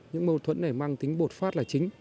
những mâu thuẫn này mang tính bột phát